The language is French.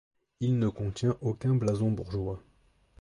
Il ne contient aucun blason bourgeois.